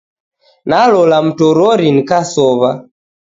Nalola mmtorori nikasowa